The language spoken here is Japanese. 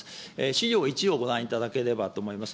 資料１をご覧いただければと思います。